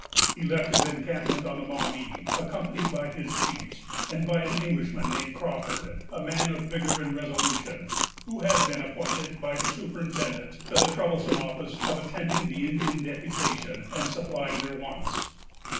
He left his encampment on the Maumee, accompanied by his chiefs, and by an Englishman named Crawford, a man of vigor and resolution, who had been appointed, by the superintendent, to the troublesome office of attending the Indian deputation, and supplying their wants.